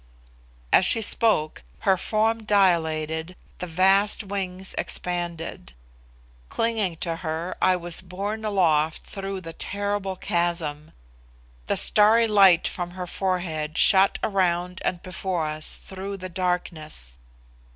As she spoke her form dilated, the vast wings expanded. Clinging to her, I was borne aloft through the terrible chasm. The starry light from her forehead shot around and before us through the darkness.